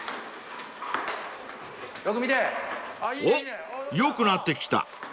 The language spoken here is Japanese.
［おっ良くなってきた］